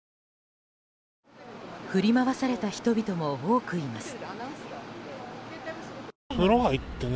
振り回された人々も多くいます。